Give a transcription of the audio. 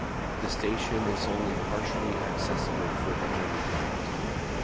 The station is only partially accessible for the handicapped.